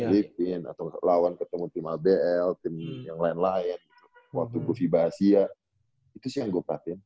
di klipin atau lawan ketemu tim abl tim yang lain lain waktu gue vibasia itu sih yang gue perhatiin